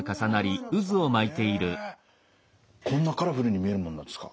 こんなカラフルに見えるものなんですか？